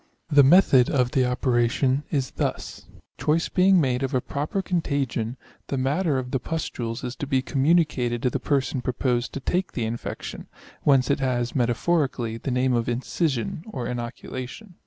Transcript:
The method of the operation is thus : choice being made of a proper con tagion, the matter of the pustules is to be communicated to the person proposed to take the infection ; whence it has, metaphorically, the name of incision or inoculation.